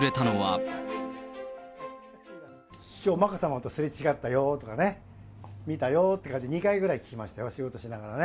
きょう、眞子さまとすれ違ったよとかね、見たよって感じで、２回ぐらい聞きましたよ、仕事しながらね。